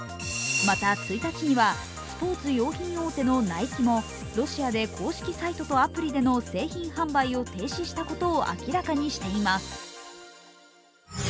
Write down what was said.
また、１日にはスポーツ用品大手のナイキもロシアで公式サイトとアプリでの製品販売を停止したことを明らかにしています。